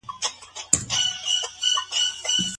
طبیعي غوښه کومه ده؟